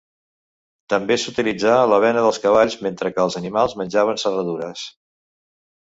També s'utilitzà l'avena dels cavalls, mentre que els animals menjaven serradures.